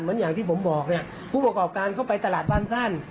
อย่างที่ผมบอกเนี่ยผู้ประกอบการเข้าไปตลาดบางสั้น